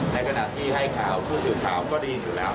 ในขณะที่ให้ข่าวผู้สื่อข่าวก็ได้ยินอยู่แล้ว